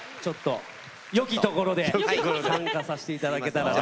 よきところで参加させていただけたらと。